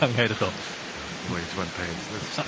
今がいちばん大変です。